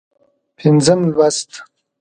پينځم لوست